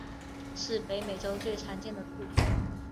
是北美洲最常见的兔。